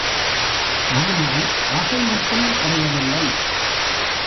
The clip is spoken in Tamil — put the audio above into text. ஆனால் ஆசை மட்டும் குறையவில்லை.